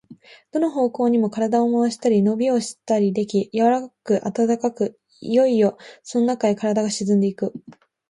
どの方向にも身体を廻したり、のびをしたりでき、柔かく暖かく、いよいよそのなかへ身体が沈んでいく。